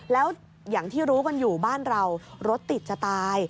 แล้วอย่างที่รู้กันอยู่บ้านเรารถติดจะตาย